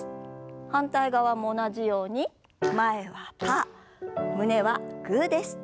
反対側も同じように前はパー胸はグーです。